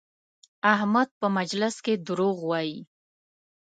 احمد په مجلس کې دروغ وایي؛